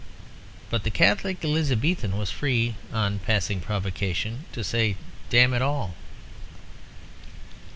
But the Catholic Elizabethan was free (on passing provocation) to say "Damn it all!"